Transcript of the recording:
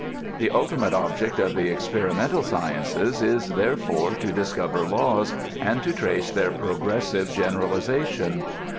The ultimate object of the experimental sciences is, therefore, to discover laws, and to trace their progressive generalization.